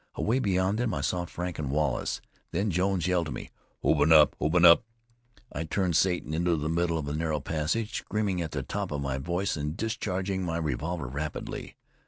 Away beyond them I saw Frank and Wallace. Then Jones yelled to me: "Open up! open up!" I turned Satan into the middle of the narrow passage, screaming at the top of my voice and discharging my revolver rapidly.